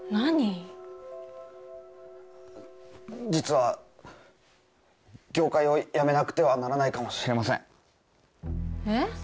実は業界を辞めなくてはならないかもしれませんえっ？